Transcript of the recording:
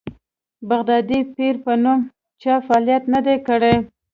بغدادي پیر په نوم چا فعالیت نه دی کړی.